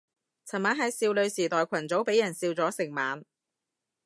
尋晚喺少女時代群組俾人笑咗成晚